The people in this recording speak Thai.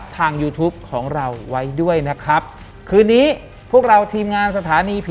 หลังจากนั้นเราไม่ได้คุยกันนะคะเดินเข้าบ้านอืม